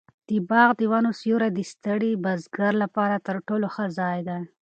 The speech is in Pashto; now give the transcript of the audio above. د باغ د ونو سیوری د ستړي بزګر لپاره تر ټولو ښه ځای دی.